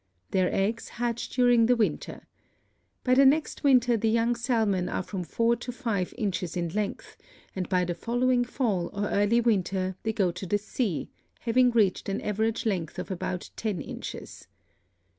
Their eggs hatch during the winter. By the next winter the young salmon are from four to five inches in length, and by the following fall or early winter they go to the sea, having reached an average length of about ten inches.